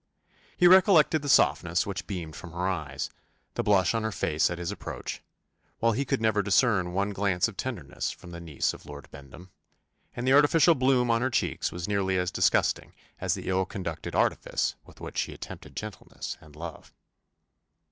He recollected the softness which beamed from her eyes, the blush on her face at his approach, while he could never discern one glance of tenderness from the niece of Lord Bendham: and the artificial bloom on her cheeks was nearly as disgusting as the ill conducted artifice with which she attempted gentleness and love.